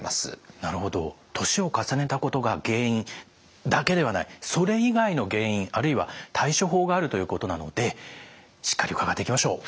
なるほど年を重ねたことが原因だけではないそれ以外の原因あるいは対処法があるということなのでしっかり伺っていきましょう。